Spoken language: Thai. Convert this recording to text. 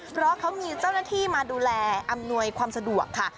เพราะเขามีเจ้าหน้าที่มาดูแลอำนวยความสะดวกค่ะ